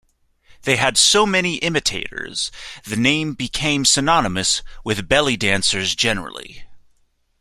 They had so many imitators, the name became synonymous with belly dancers generally.